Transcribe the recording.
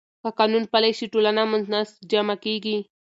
که قانون پلی شي، ټولنه منسجمه کېږي.